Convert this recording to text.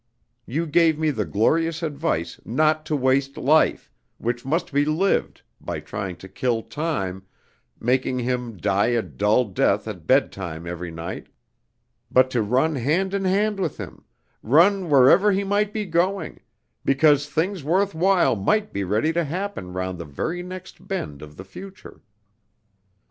You gave me the glorious advice not to waste life, which must be lived, by trying to kill Time, making him die a dull death at bedtime every night, but to run hand in hand with him run wherever he might be going, because things worth while might be ready to happen round the very next bend of the future.